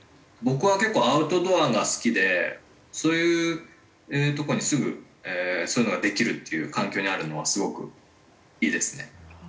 僕は結構アウトドアが好きでそういうとこにすぐそういうのができるっていう環境にあるのはすごくいいですね。